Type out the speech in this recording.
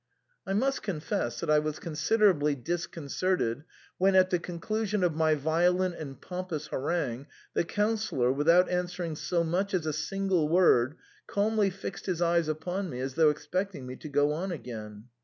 I must confess that I was considerably disconcerted when, at the conclusion of my violent and pompous harangue, the Councillor, without answering so much as a single word, calmly fixed his eyes upon me as though expecting me to go on again.